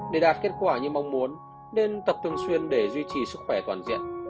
để đạt kết quả như mong muốn nên tập thường xuyên để duy trì sức khỏe toàn diện